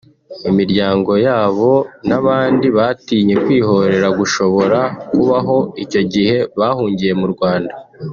imiryango yabo n’abandi batinye kwihorera gushobora kubaho icyo gihe bahungiye mu Rwanda